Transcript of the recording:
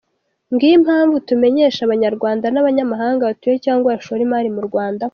Ngiyo impamvu tumenyesha abanyarwanda n’abanyamahanga batuye cyangwa bashora imari mu Rwanda ko: